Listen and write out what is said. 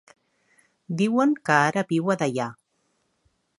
Diuen que ara viu a Deià.